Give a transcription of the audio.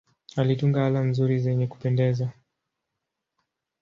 Alitunga ala nzuri zenye kupendeza.